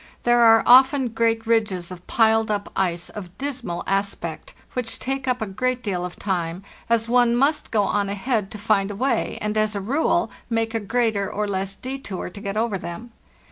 There are often great ridges of piled up ice of dismal aspect, which take up a great deal of time, as one must go on ahead to find a way, and, as a rule, make a greater or less detour to get over them.